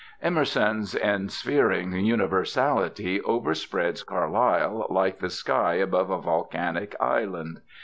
Emerson's ensphering universality overspreads Carlyle like the sky above a volcanic island.